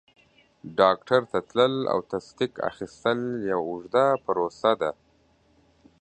ډاکټر ته تلل او تصدیق اخیستل یوه اوږده پروسه وه.